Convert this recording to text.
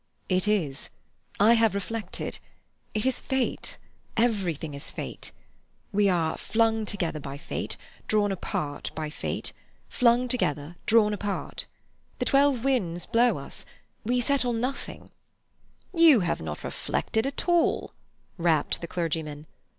"It is. I have reflected. It is Fate. Everything is Fate. We are flung together by Fate, drawn apart by Fate—flung together, drawn apart. The twelve winds blow us—we settle nothing—" "You have not reflected at all," rapped the clergyman.